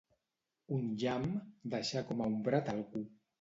Un llamp, deixar com aombrat algú.